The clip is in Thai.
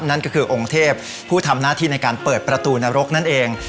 นั่นก็คือองค์เทพผู้ทำหน้าที่ในการเปิดประตูนรกนั่นเอง